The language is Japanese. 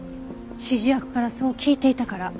指示役からそう聞いていたから。